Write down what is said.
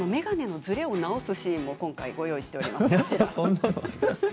眼鏡、くいっと直すシーンを今回ご用意しています。